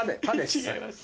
違います。